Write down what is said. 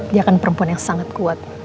dia kan perempuan yang sangat kuat